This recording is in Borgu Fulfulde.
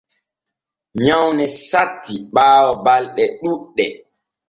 Nyawne satti ɓaawo balɗe ɗuuɗɗe.